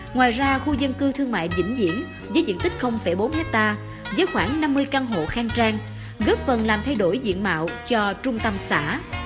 ngoài ra khu dân cư thương mại vĩnh diễn với diện tích bốn hectare với khoảng năm mươi căn hộ khang trang góp phần làm thay đổi diện mạo cho trung tâm xã